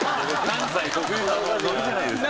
関西特有のノリじゃないですか。